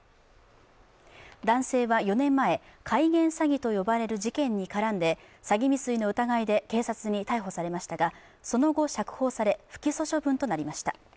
男性は４年前、改元詐欺と呼ばれる事件に絡んで詐欺未遂の疑いで警察に逮捕されましたがその後、釈放され不起訴処分となりました。